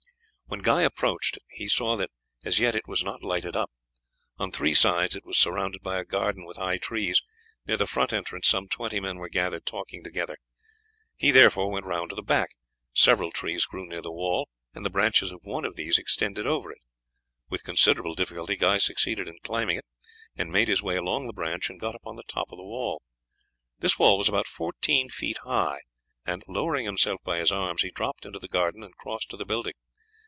When Guy approached it he saw that as yet it was not lighted up. On three sides it was surrounded by a garden with high trees; near the front entrance some twenty men were gathered talking together. He, therefore, went round to the back; several trees grew near the wall, and the branches of one of these extended over it. With considerable difficulty Guy succeeded in climbing it, and made his way along the branch and got upon the top of the wall. This was about fourteen feet high, and, lowering himself by his arms, he dropped into the garden and crossed to the building.